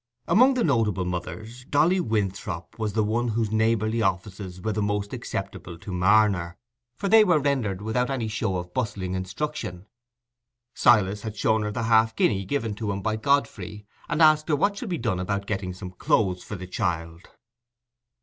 Among the notable mothers, Dolly Winthrop was the one whose neighbourly offices were the most acceptable to Marner, for they were rendered without any show of bustling instruction. Silas had shown her the half guinea given to him by Godfrey, and had asked her what he should do about getting some clothes for the child.